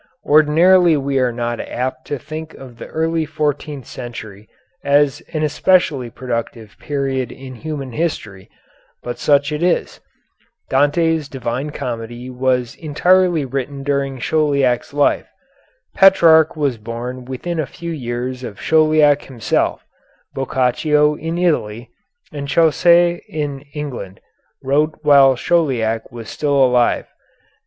Ordinarily we are not apt to think of the early fourteenth century as an especially productive period in human history, but such it is. Dante's Divine Comedy was entirely written during Chauliac's life. Petrarch was born within a few years of Chauliac himself; Boccaccio in Italy, and Chaucer in England, wrote while Chauliac was still alive.